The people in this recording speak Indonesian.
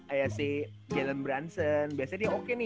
ayah si jalen brunson